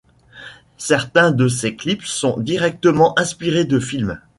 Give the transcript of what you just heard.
Certains de ses clips sont directement inspirés de films.